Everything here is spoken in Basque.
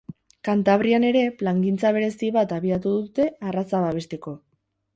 Kantabrian ere plangintza berezi bat abiatu dute arraza babesteko.